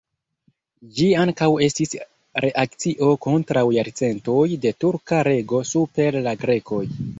Ĝi ankaŭ estis reakcio kontraŭ jarcentoj de turka rego super la grekoj.